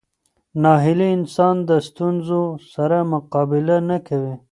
ناهیلي انسان د ستونزو سره مقابله نه کوي.